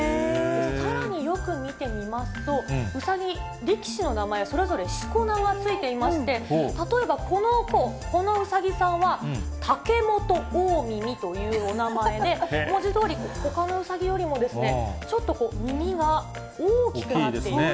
さらによく見てみますと、うさぎ、力士の名前、それぞれしこ名がついていまして、例えばこの子、このうさぎさんは、竹本大耳というお名前で、文字どおり、ほかのうさぎよりもちょっと耳が大きくなっている。